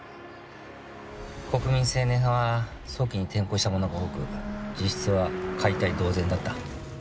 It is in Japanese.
国民青年派は早期に転向した者が多く実質は解体同然だった。